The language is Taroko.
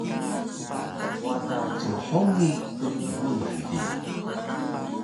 wada cmhungi knbunuh di